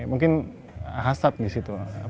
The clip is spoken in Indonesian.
mungkin hasad di situ